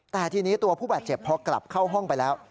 แต่ทีนี้ตัวผู้บาดเจ็บพอกลับเข้าห้องไปแล้ว